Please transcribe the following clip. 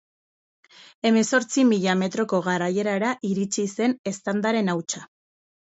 Hemezortzi mila metroko garaierara iritsi zen eztandaren hautsa.